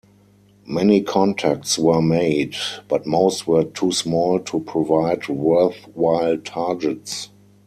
Many contacts were made, but most were too small to provide worthwhile targets.